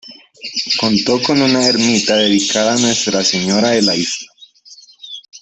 Contó con una ermita dedicada a Nuestra Señora de la Isla.